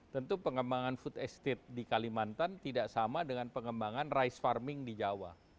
tentu pengembangan food estate di kalimantan tidak sama dengan pengembangan rice farming di jawa